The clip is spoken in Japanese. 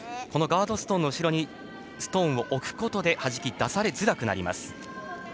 このガードストーンの後ろにストーンを置くことではじき出されづらくなります。